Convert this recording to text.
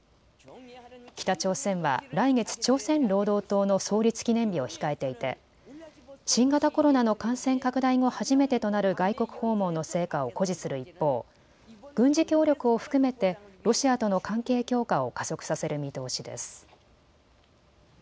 北朝鮮は来月、朝鮮労働党の創立記念日を控えていて新型コロナの感染拡大後初めてとなる外国訪問の成果を誇示する一方、軍事協力を含めてロシアとの関係強化を加速させる見通しです。